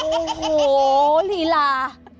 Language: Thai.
โอ้โหลีลา